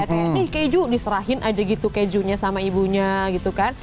kayak nih keju diserahin aja gitu kejunya sama ibunya gitu kan